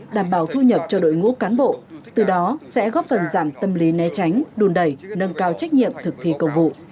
đảm bảo thu nhập cho đội ngũ cán bộ từ đó sẽ góp phần giảm tâm lý né tránh đùn đẩy nâng cao trách nhiệm thực thi công vụ